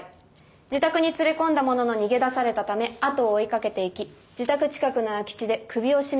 自宅に連れ込んだものの逃げ出されたため後を追いかけていき自宅近くの空き地で首を絞めて殺害。